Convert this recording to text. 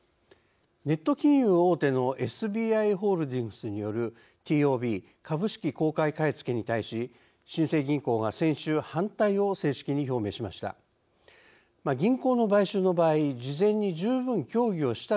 ネット金融大手のＳＢＩホールディングスによるＴＯＢ＝株式公開買い付けに対し新生銀行が先週「反対」を正式に表明しました。